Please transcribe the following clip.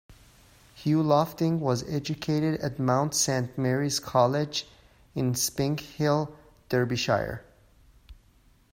Hugh Lofting was educated at Mount Saint Mary's College in Spinkhill, Derbyshire.